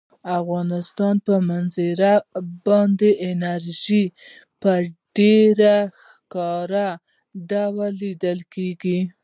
د افغانستان په هره منظره کې بادي انرژي په ډېر ښکاره ډول لیدل کېږي.